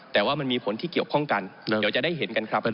แต่ว่ามันมีผลที่เกี่ยวข้องกันเดี๋ยวจะได้เห็นกันครับ